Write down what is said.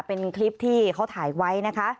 เป็นคลิปที่เขาถ่ายไว้นะคะ